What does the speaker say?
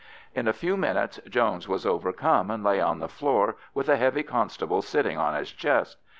In a few minutes Jones was overcome, and lay on the floor with a heavy constable sitting on his chest.